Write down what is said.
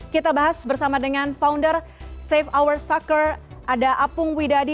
kita bahas bersama dengan founder safe hour soccer ada apung widadi